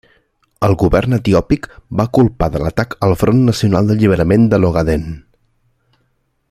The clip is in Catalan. El govern etiòpic va culpar de l'atac al Front Nacional d'Alliberament de l'Ogaden.